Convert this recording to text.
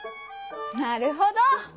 なるほど！